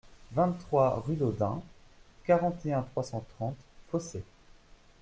vingt-trois rue d'Audun, quarante et un, trois cent trente, Fossé